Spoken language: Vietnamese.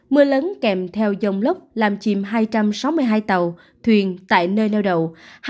mưa lớn kèm theo dông lốc làm chìm hai trăm sáu mươi hai tàu thuyền tại nơi nêu đầu